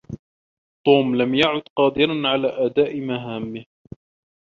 توم لم يعد قادرا على أداء مهامه.